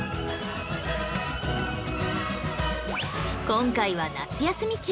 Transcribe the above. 今回は夏休み中